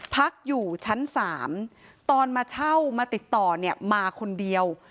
พักอยู่ชั้น๓ตอนมาเช่ามาติดต่อเนี่ยมาคนเดียว